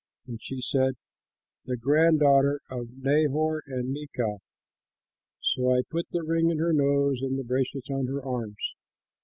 And she said, 'The grand daughter of Nahor and Milcah.' So I put the ring in her nose and the bracelets on her arms.